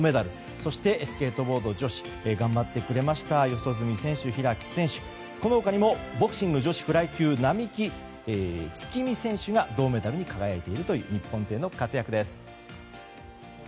そして、スケートボード女子頑張ってくれました四十住選手、開選手この他にもボクシング女子フライ級の並木月海選手が銅メダルに輝いているという日本勢の活躍です。